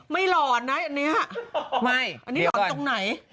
ไม่หลอนนะอันนี้อันนี้หลอนตรงไหน